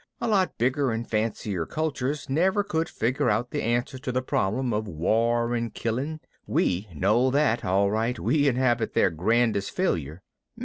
A lot bigger and fancier cultures never could figure out the answer to the problem of war and killing we know that, all right, we inhabit their grandest failure.